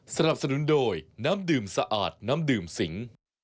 สนับสนุนโดยน้ำดื่มสะอาดน้ำดื่มสิง